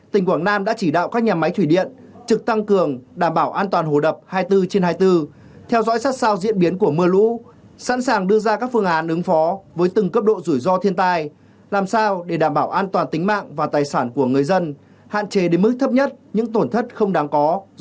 tỉnh quảng nam đã chỉ đạo các nhà máy thủy điện trực tăng cường đảm bảo an toàn hồ đập hai mươi bốn trên hai mươi bốn theo dõi sát sao diễn biến của mưa lũ sẵn sàng đưa ra các phương án ứng phó với từng cấp độ rủi ro thiên tai làm sao để đảm bảo an toàn tính mạng và tài sản của người dân hạn chế đến mức thấp nhất những tổn thất không đáng có